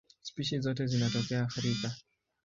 Spishi zote zinatokea Afrika.